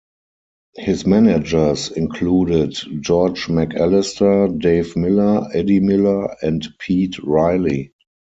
His managers included George McAllister, Dave Miller, Eddie Miller, and Pete Reilly.